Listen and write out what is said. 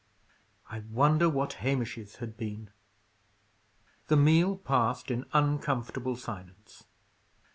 I wonder what Hamish's had been! The meal passed in uncomfortable silence.